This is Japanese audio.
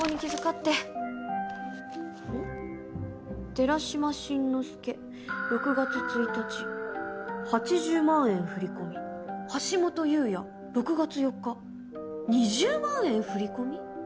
「寺島進ノ介６月１日８０万円振込」「橋本悠也６月４日２０万円振込」？